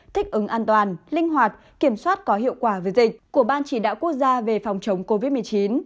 thích ứng an toàn linh hoạt kiểm soát có hiệu quả với dịch của ban chỉ đạo quốc gia về phòng chống covid một mươi chín